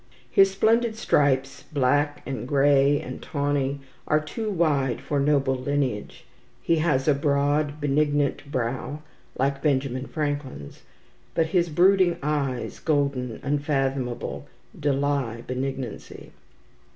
His splendid stripes, black and grey and tawny, are too wide for noble lineage. He has a broad benignant brow, like Benjamin Franklin's; but his brooding eyes, golden, unfathomable, deny benignancy.